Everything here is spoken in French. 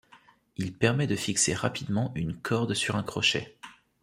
Il permet de fixer rapidement une corde sur un crochet.